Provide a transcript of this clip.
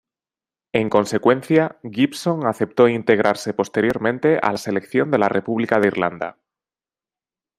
En consecuencia, Gibson aceptó integrarse posteriormente a la Selección de la República de Irlanda.